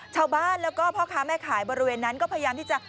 ชาวบ้านแล้วก็พ่อค้าแม่ขายบริเวณนั้นก็พยายามที่จะ